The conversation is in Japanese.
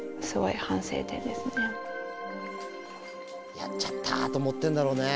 「やっちゃった」と思ってんだろうね。